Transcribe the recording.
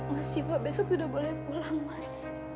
mas civa besok sudah boleh pulang mas